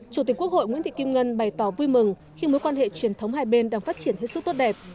chủ tịch quốc hội nguyễn thị kim ngân bày tỏ vui mừng khi mối quan hệ truyền thống hai bên đang phát triển hết sức tốt đẹp